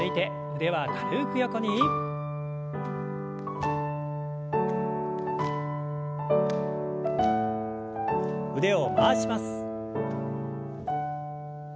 腕を回します。